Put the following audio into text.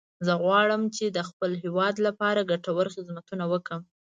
زه غواړم چې د خپل هیواد لپاره ګټور خدمتونه وکړم